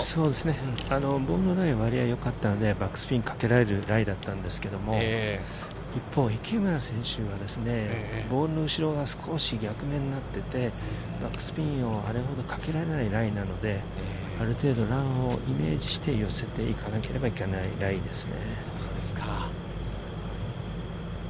ボールのラインはよかったので、スピンをかけられるライだったんですが、一方、池村選手がですね、ボールの後ろが少し逆目になっていて、バックスピンをあれほどかけられないラインなので、ある程度ランをイメージして、寄せていかなければいけないライですね。